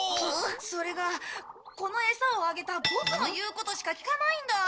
それがこのえさをあげたボクの言うことしか聞かないんだ。